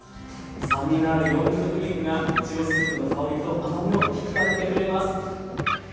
酸味のあるヨーグルトクリームがいちごスープの香りと甘みを引き立ててくれます。